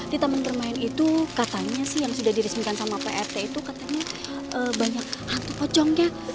di taman bermain itu katanya sih yang sudah diresmikan sama prt itu katanya banyak hantu pocongnya